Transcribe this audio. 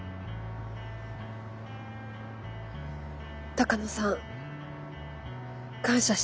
鷹野さん感謝しています。